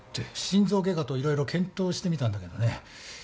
心臓外科と色々検討してみたんだけどね。